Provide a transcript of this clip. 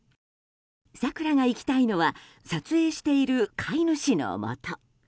サクラが行きたいのは撮影している飼い主のもと。